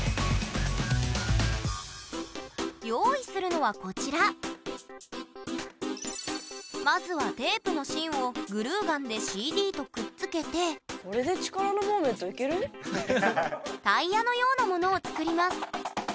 用意するのはこちらまずはテープの芯をグルーガンでＣＤとくっつけてタイヤのようなものを作ります。